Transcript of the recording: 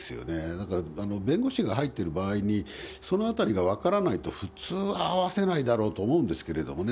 だから、弁護士が入ってる場合に、そのあたりが分からないと、普通は会わせないだろうと思うんですけれどもね。